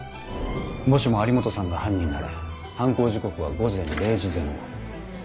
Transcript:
もしも有本さんが犯人なら犯行時刻は午前０時前後。